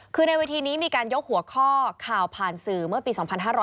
คือในเวทีนี้มีการยกหัวข้อข่าวผ่านสื่อเมื่อปี๒๕๕๙